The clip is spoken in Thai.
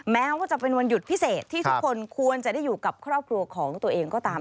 แม้ว่าจะเป็นวันหยุดพิเศษที่ทุกคนควรจะได้อยู่กับครอบครัวของตัวเองก็ตาม